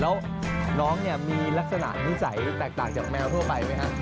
แล้วน้องมีลักษณะนิสัยแตกจากแมวทั่วไปไหมครับ